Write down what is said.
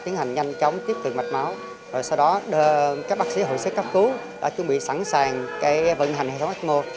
nhanh chóng tiếp cận mạch máu rồi sau đó các bác sĩ hội sức cấp cứu đã chuẩn bị sẵn sàng vận hành hệ thống ecmo